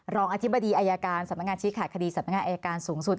รองอธิบดีอายการสำนักงานชี้ขาดคดีสำนักงานอายการสูงสุด